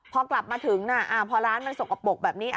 พอกลับมาถึงพอร้านมันสกปรกแบบนี้